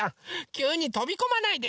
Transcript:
きゅうにとびこまないで。